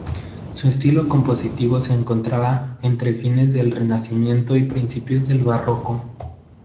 Su estilo compositivo se encontraba entre fines del Renacimiento y principios del Barroco.